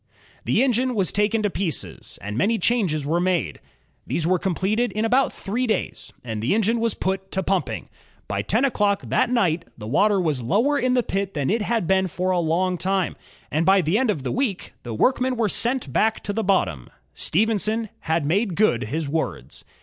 The engine was taken to pieces, and many changes were made. These were completed in about three days, and the engine put to pumping. By ten o'clock that night the water was lower in the pit than it had been for a long time, and by the end of the week the workmen were "sent S6 INVENTIONS OF STEAM AND ELECTRIC POWER back to the bottom/' Stephenson had made good his words.